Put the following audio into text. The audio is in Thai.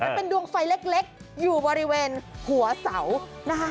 เป็นดวงไฟเล็กอยู่บริเวณหัวเสานะคะ